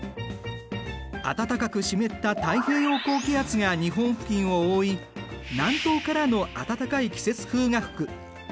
暖かく湿った太平洋高気圧が日本付近を覆い南東からの暖かい季節風が吹く。